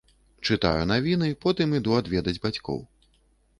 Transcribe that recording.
Чытаю навіны, потым іду адведаць бацькоў.